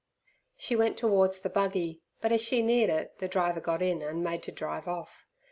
She went towards the buggy, but as she neared it the driver got in and made to drive off.